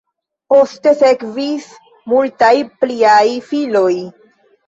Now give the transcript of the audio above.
Poste sekvis multaj pliaj filioj.